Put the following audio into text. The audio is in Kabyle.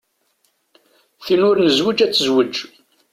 Tin ur nezwij ad tezwej.